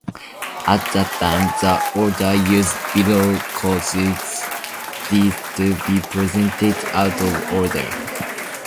At times, the order used below causes these to be presented out of order.